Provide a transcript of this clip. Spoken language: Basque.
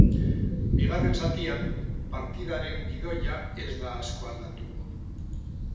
Bigarren zatian, partidaren gidoia ez da asko aldatu.